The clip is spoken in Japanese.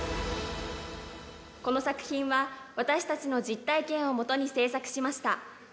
この作品は私たちの実体験をもとに制作しました。